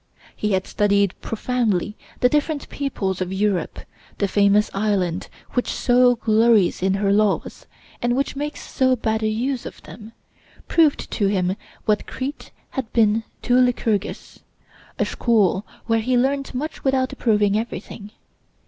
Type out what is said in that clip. He had studied profoundly the different peoples of Europe. The famous island, which so glories in her laws, and which makes so bad a use of them, proved to him what Crete had been to Lycurgus a school where he learned much without approving everything.